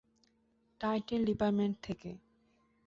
Title department থেকে।